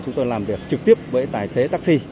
chúng tôi làm việc trực tiếp với tài xế taxi